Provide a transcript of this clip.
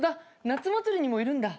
夏祭りにもいるんだ！